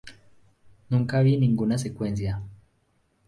Nunca vi ninguna secuencia.